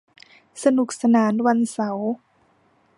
สนุกสนานวันเสาร์